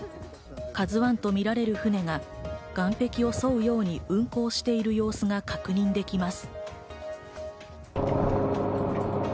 「ＫＡＺＵ１」とみられる船が岸壁を沿うように運航している様子が確認できます。